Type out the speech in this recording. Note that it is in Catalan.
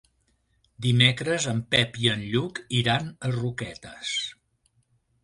Dimecres en Pep i en Lluc iran a Roquetes.